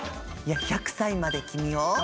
「１００歳まで君を」